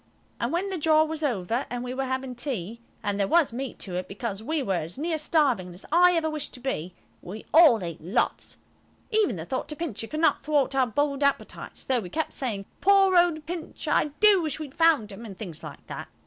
And when the jaw was over and we were having tea–and there was meat to it, because we were as near starving as I ever wish to be–we all ate lots. Even the thought of Pincher could not thwart our bold appetites, though we kept saying, "Poor old Pincher!" "I do wish we'd found him," and things like that.